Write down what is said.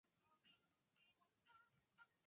孵溪蟾只曾发现在未开发的雨林出现。